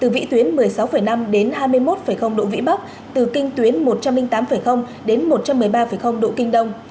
vị tuyến một mươi sáu năm đến hai mươi một độ vĩ bắc từ kinh tuyến một trăm linh tám đến một trăm một mươi ba độ kinh đông